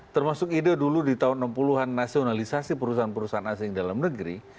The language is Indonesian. termasuk ide dulu di tahun enam puluh an nasionalisasi perusahaan perusahaan asing dalam negeri